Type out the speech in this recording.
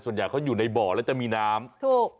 ส่วนใหญ่เขาอยู่ในบ่อแล้วจะมีน้ำถูก